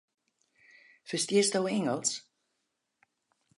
Ferstiesto Ingelsk?